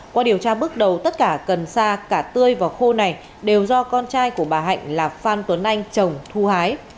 qua điều tra bước đầu tất cả cần sa cả tươi và khô này đều do con trai của bà hạnh là phan tuấn anh trồng thu hái